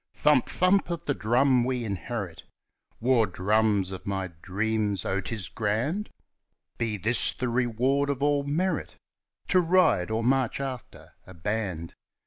Thump! thump! of the drums we inherit War drums of my dreams oh, it's grand ! Be this the reward of all merit To ride or march after a band